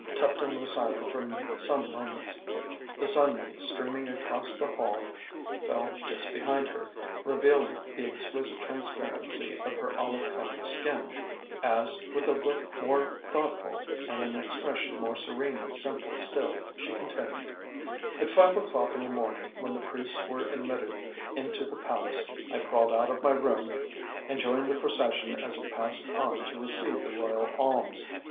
Tuptim was silent for some moments. The sunlight, streaming across the hall, fell just behind her, revealing the exquisite transparency of her olive colored skin, as, with a look more thoughtful and an expression more serenely simple still, she continued: "At five o'clock in the morning, when the priests were admitted into the palace, I crawled out of my room and joined the procession as it passed on to receive the royal alms.